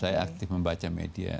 saya aktif membaca media